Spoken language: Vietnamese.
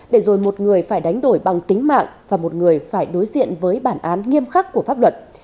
để rồi một người phải đánh đổi bằng tính mạng và một người phải đối diện với bản án nghiêm khắc của pháp luật